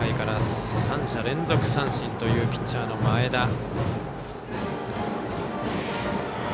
前の回から３者連続三振というピッチャーの前田。